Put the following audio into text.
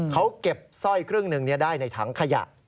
เขาเก็บสร้อยครึ่งหนึ่งได้ในถังขยะ